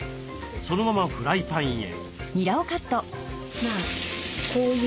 そのままフライパンへ。